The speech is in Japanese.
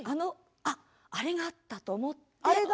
あれがあったと思って。